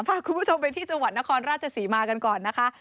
พาคุณผู้ชมไปที่จังหวัดนครราชศรีมากันก่อนนะคะ